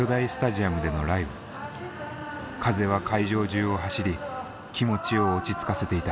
風は会場中を走り気持ちを落ち着かせていた。